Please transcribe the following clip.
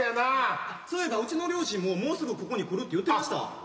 あっそういえばうちの両親ももうすぐここに来るって言ってました。